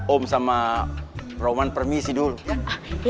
om sama roman permisi dulu ya